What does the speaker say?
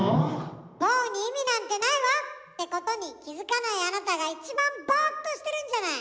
「ボー」に意味なんてないわ！ってことに気付かないあなたが一番ボーっとしてるんじゃない！